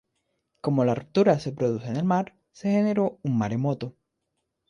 Como la ruptura se produjo en el mar, se generó un maremoto.